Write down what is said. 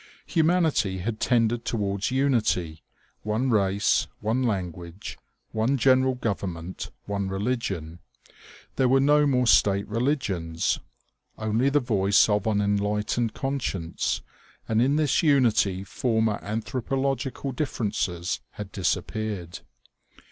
Humanity had tended towards unity, one race, one lan guage, one general government, one religion. There were no more state religions ; only the voice of an enlightened conscience, and in this unity former anthropological differ ences had disappeared.